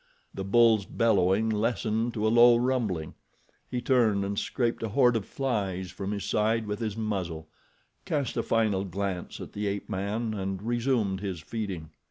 The bull's bellowing lessened to a low rumbling, he turned and scraped a horde of flies from his side with his muzzle, cast a final glance at the ape man and resumed his feeding.